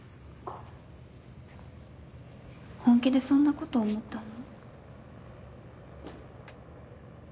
本気でそんなこと思ったの？